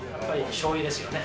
しょうゆですよね。